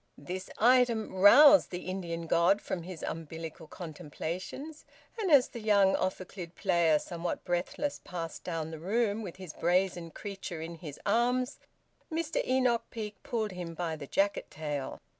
This item roused the Indian god from his umbilical contemplations, and as the young ophicleide player, somewhat breathless, passed down the room with his brazen creature in his arms, Mr Enoch Peake pulled him by the jacket tail.